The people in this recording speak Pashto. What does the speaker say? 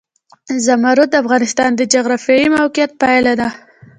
زمرد د افغانستان د جغرافیایي موقیعت پایله ده.